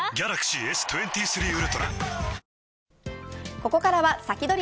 ここからはサキドリ！